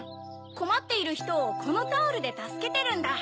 こまっているひとをこのタオルでたすけてるんだ。